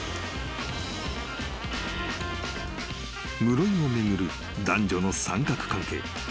［室井を巡る男女の三角関係］